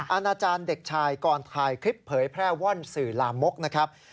อาณาจารย์เด็กชายก่อนถ่ายคลิปเผยแพร่ว่อนสื่อลามกนะครับ